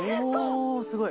おすごい。